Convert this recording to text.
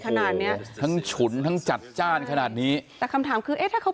ขนาดเนี้ยทั้งฉุนทั้งจัดจ้านขนาดนี้แต่คำถามคือเอ๊ะถ้าเขา